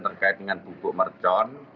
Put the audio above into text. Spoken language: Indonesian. terkait dengan bubuk mercon